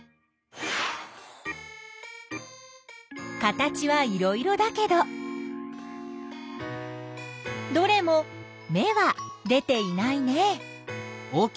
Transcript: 形はいろいろだけどどれも芽は出ていないね。